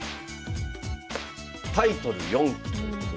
「タイトル４期」ということで。